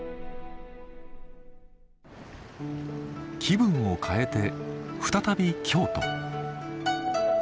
気分を変えて再び京都。